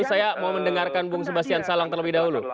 saya mau mendengarkan bung sebastian salang terlebih dahulu